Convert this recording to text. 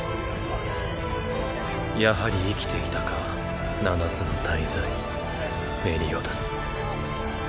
やはり生きていたか七つの大罪メリオダス。